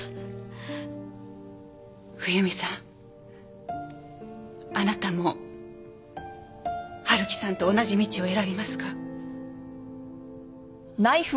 冬水さんあなたも春樹さんと同じ道を選びますか？